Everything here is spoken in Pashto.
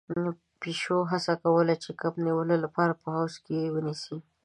پيشو هڅه کوله چې د کب نيولو لپاره په حوض کې ونيسي.